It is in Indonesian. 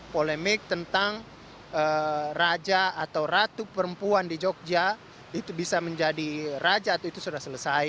polemik tentang raja atau ratu perempuan di jogja itu bisa menjadi raja itu sudah selesai